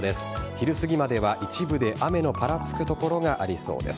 昼すぎまでは一部で雨のぱらつく所がありそうです。